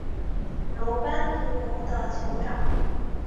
楼班族的酋长。